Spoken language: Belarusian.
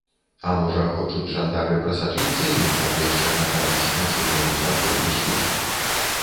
А можа, хочуць жандары прасачыць за ім, каб яшчэ натрапіць на чый-небудзь падпольны след?